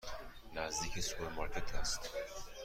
نزدیک سوپرمارکت است.